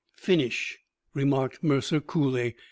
"Finish," remarked Mercer coolly.